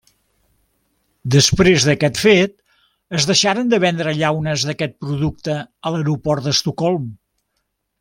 Després d'aquest fet es deixaren de vendre llaunes d'aquest producte a l'aeroport d'Estocolm.